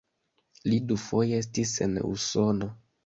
Li dufoje estis en Usono.